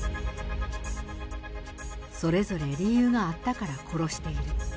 それぞれ理由があったから殺している。